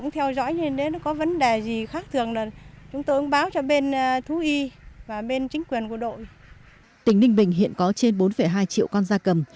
tỉnh ninh bình hiện có trên bốn hai triệu con da cầm